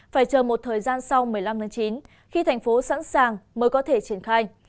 phải chờ một thời gian sau một mươi năm chín khi tp hcm sẵn sàng mới có thể triển khai